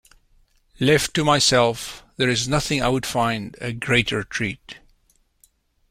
Left to myself, there is nothing I would find a greater treat.